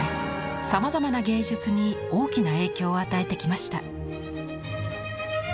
さまざまな芸術に大きな影響を与えてきました。